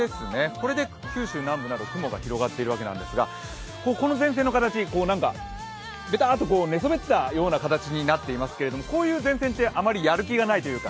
これで九州南部など雲が広がっているわけなんですがこの前線の形、何かべたっと寝そべったような形になっていますけれども、こういう前線ってあまりやる気がないというか